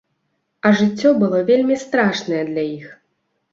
А жыццё было вельмі страшнае для іх.